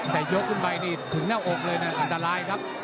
แต่ยกขึ้นไปกับสหายหน้าอบอทอันตรายครับ